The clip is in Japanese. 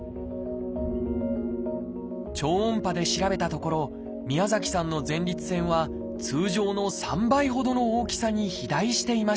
超音波で調べたところ宮崎さんの前立腺は通常の３倍ほどの大きさに肥大していました。